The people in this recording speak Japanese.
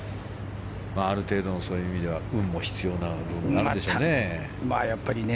ある程度そういう意味では運も必要な部分もあるでしょう。